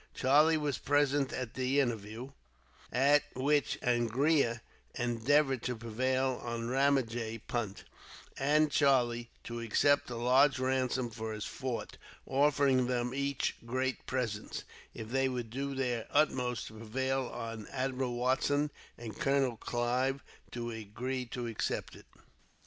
Charlie was present at the interview, at which Angria endeavoured to prevail on Ramajee Punt, and Charlie, to accept a large ransom for his fort; offering them each great presents, if they would do their utmost to prevail on Admiral Watson, and Colonel Clive, to agree to accept it.